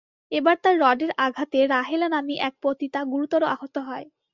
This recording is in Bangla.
এবার তার রডের আঘাতে রাহেলা নামী এক পতিতা গুরুতর আহত হয়।